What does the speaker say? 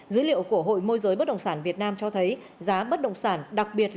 dữ liệu của hội môi giới bất động sản việt nam cho thấy